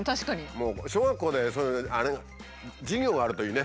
もう小学校でそういう授業があるといいね。